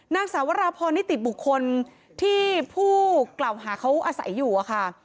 นางสาวราพรนิติบุคคลที่ผู้กล่าวหาเขาอาศัยอยู่อะค่ะ